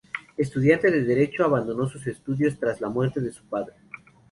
Estudiante de derecho, abandonó sus estudios tras la muerte de su padre.